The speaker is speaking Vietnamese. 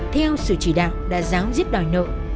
theo sự chỉ đạo đã dám giết đòi nợ